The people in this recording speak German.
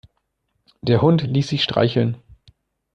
Der Hund ließ sich streicheln.